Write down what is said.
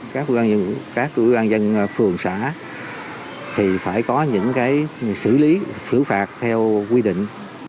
các chủ quan dân phường xã thì phải có những cái xử lý xử phạt theo quy định